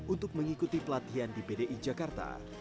untuk mengikuti pelatihan di pdi jakarta